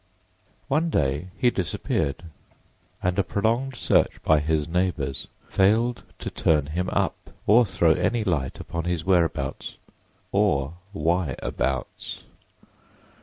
One day he disappeared and a prolonged search by his neighbors failed to turn him up or throw any light upon his whereabouts or whyabouts.